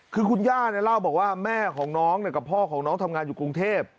คือคุณย่าเนี่ยเล่าบอกว่าแม่ของน้องกับพ่อของน้องทำงานอยู่กรุงเทพ